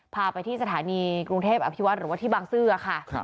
พาไปที่สถานีกรุงเทพอภิวัตหรือว่าที่บางซื่อค่ะ